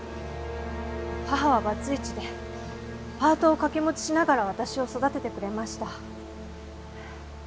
母はバツイチでパートをかけ持ちしながら私を育ててくれました。